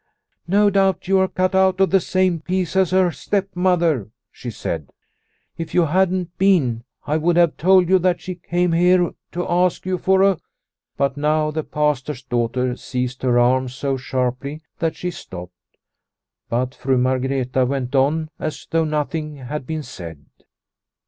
" No doubt you are cut out of the same piece as her stepmother," she said. " If you hadn't been I would have told you that she came here to ask you for a " But now the Pastor's daughter seized her arm so sharply that she stopped. But Fru Margreta went on as though nothing had been said.